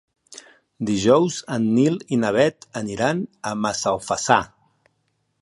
Dijous en Nil i na Bet aniran a Massalfassar.